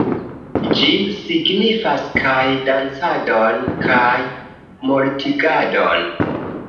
Ĝi signifas kaj dancadon kaj mortigadon